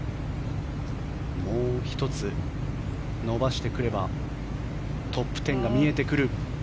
もう１つ伸ばしてくればトップ１０が見えてくる。